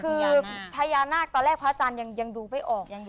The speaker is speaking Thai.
คือพญานาคตอนแรกพระอาจารย์ยังดูไม่ออก